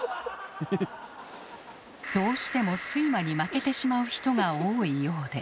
どうしても睡魔に負けてしまう人が多いようで。